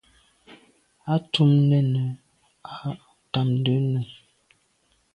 À tum nène à tamte nu.